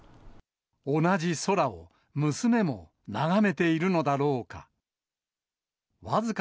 同じ空を、娘も眺めているのだろうか。